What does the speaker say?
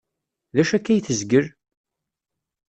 D acu akka ay tezgel?